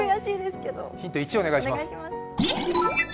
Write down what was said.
ヒント１、お願いします。